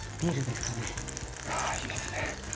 あいいですね。